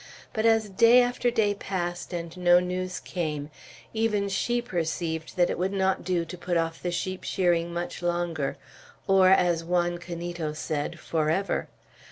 But as day after day passed and no news came, even she perceived that it would not do to put off the sheep shearing much longer, or, as Juan Canito said, "forever."